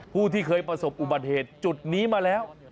ผู้ที่เคยประสบอุบัติเหตุจุดนี้มาแล้ว